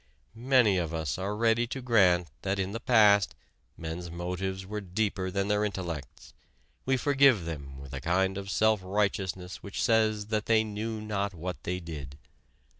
Many of us are ready to grant that in the past men's motives were deeper than their intellects: we forgive them with a kind of self righteousness which says that they knew not what they did.